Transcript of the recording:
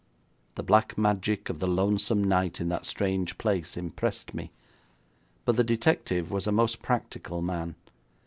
The black magic of the lonesome night in that strange place impressed me, but the detective was a most practical man.